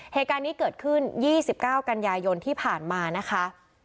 เหตุการณ์นี้เกิดขึ้น๒๙กันยายนที่ผ่านมานะคะ